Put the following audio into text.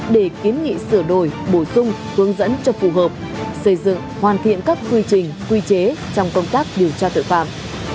để kiến nghị sửa đổi bổ sung hướng dẫn cho phù hợp xây dựng hoàn thiện các quy trình quy chế trong công tác điều tra tội phạm